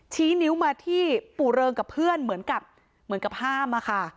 ชี้นิ้วมาที่ปู่เริงกับเพื่อนเหมือนกับภาพมาค่ะ